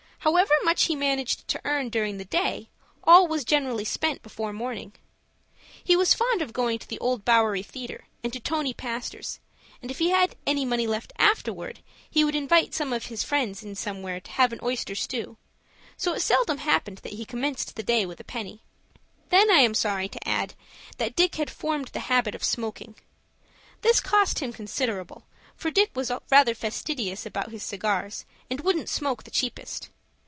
However much he managed to earn during the day, all was generally spent before morning. He was fond of going to the Old Bowery Theatre, and to Tony Pastor's, and if he had any money left afterwards, he would invite some of his friends in somewhere to have an oyster stew; so it seldom happened that he commenced the day with a penny. Then I am sorry to add that Dick had formed the habit of smoking. This cost him considerable, for Dick was rather fastidious about his cigars, and wouldn't smoke the cheapest.